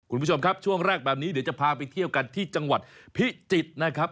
คุณผู้ชมครับช่วงแรกแบบนี้เดี๋ยวจะพาไปเที่ยวกันที่จังหวัดพิจิตรนะครับ